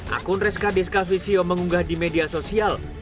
akun reska deska visio mengunggah di media sosial